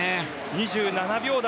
２７秒台。